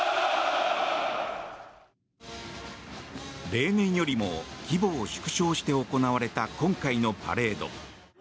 例年よりも規模を縮小して行われた今回のパレード。